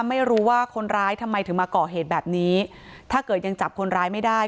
ไม่รู้ว่าคนร้ายทำไมถึงมาก่อเหตุแบบนี้ถ้าเกิดยังจับคนร้ายไม่ได้